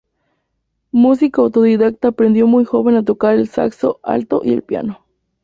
Músico autodidacta, aprendió muy joven a tocar al saxo alto y el piano.